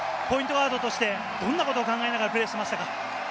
ガードとしてどんなことを考えながらプレーしましたか？